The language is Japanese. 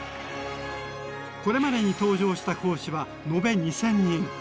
これまでに登場した講師は延べ２，０００人。